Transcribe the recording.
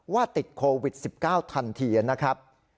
ว่าติดโควิด๑๙ทันทีนะครับ